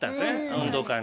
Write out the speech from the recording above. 運動会の。